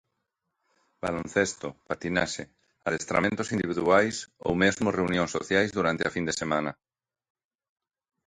Baloncesto, patinaxe, adestramentos individuais ou mesmo reunións sociais durante a fin de semana.